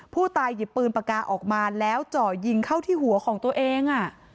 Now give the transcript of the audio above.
ผู้ตายหยิบปืนปากกาออกมาแล้วเจาะยิงเข้าที่หัวของตัวเอง